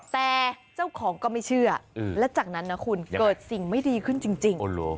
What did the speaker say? แต่เจ้าของก็ไม่เชื่อและจากนั้นนะคุณเกิดสิ่งไม่ดีขึ้นจริง